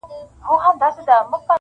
پروت کلچه وهلی پرې ښامار د نا پوهۍ کنې-